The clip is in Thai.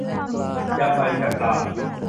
ยำใบชะคราม